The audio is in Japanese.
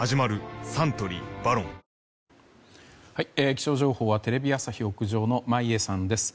気象情報はテレビ朝日屋上の眞家さんです。